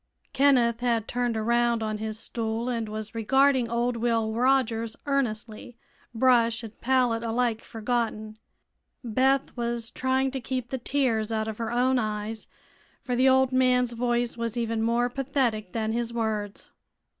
Kenneth had turned around on his stool and was regarding old Will Rogers earnestly, brush and pallet alike forgotten. Beth was trying to keep the tears out of her own eyes, for the old man's voice was even more pathetic than his words.